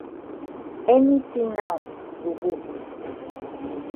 Any tin now go go.